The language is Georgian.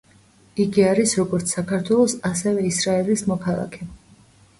იგი არის როგორც საქართველოს, ასევე ისრაელის მოქალაქე.